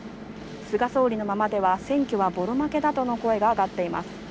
菅総理のままでは選挙はボロ負けだとの声が上がっています。